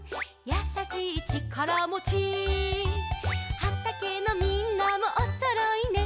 「やさしいちからもち」「はたけのみんなもおそろいね」